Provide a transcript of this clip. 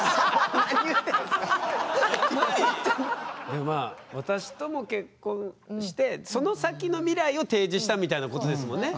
でもまあ私とも結婚してその先の未来を提示したみたいなことですもんね。